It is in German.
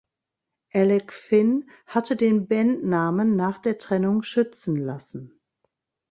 Alec Finn hatte den Bandnamen nach der Trennung schützen lassen.